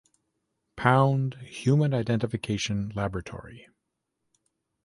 Pound Human Identification Laboratory.